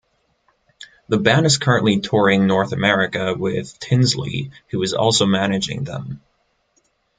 The band is currently touring North America with Tinsley who is also managing them.